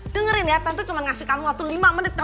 dengerin ya tentu cuma ngasih kamu waktu lima menit